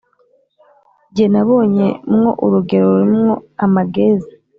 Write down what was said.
Jye nabonye mwo urugero ruri mwo amageza,